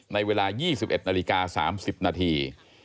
ในเวลา๒๑นาฬิกา๓๐นาที